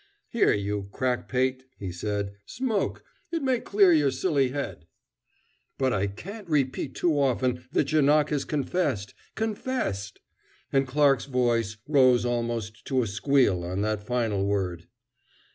"Here, you crack pate!" he said, "smoke; it may clear your silly head." "But I can't repeat too often that Janoc has confessed confessed!" and Clarke's voice rose almost to a squeal on that final word.